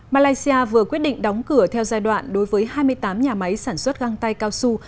malaysia vừa quyết định đóng cửa theo giai đoạn đối với hai mươi tám nhà máy sản xuất găng tay cao su